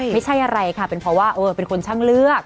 ไม่ใช่อะไรค่ะเป็นเพราะว่าเป็นคนช่างเลือก